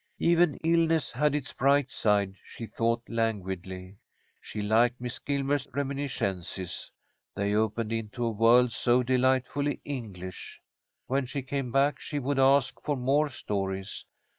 Even illness had its bright side, she thought, languidly. She liked Miss Gilmer's reminiscences. They opened into a world so delightfully English. When she came back she would ask for more stories.